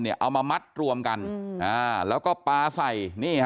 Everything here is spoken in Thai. เอามามัดรวมกันแล้วก็ปาใส่